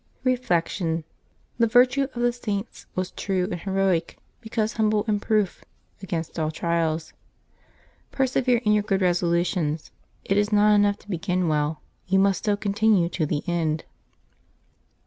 Reflection. — The virtue of the Saints was true and he roic, because humble and proof against all trials. Perse vere in your good resolutions: it is not enough to begin well; you must so continue to the end.